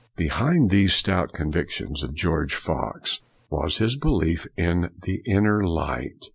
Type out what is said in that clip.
Behind these stout convictions of George Fox was his belief in the Inner Light.